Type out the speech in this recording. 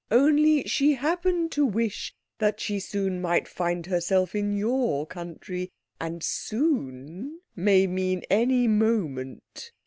Only she happened to wish that she might soon find herself in your country. And soon may mean any moment."